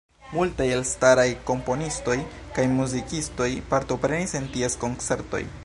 Multaj elstaraj komponistoj kaj muzikistoj partoprenis en ties koncertoj.